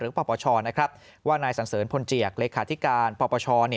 ปปชนะครับว่านายสันเสริญพลเจียกเลขาธิการปปช